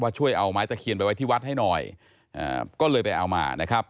ช่วยเอาไม้ตะเคียนไปไว้ที่วัดให้หน่อยก็เลยไปเอามานะครับ